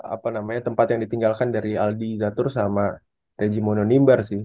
apa namanya tempat yang ditinggalkan dari aldi zatur sama reji mononimber sih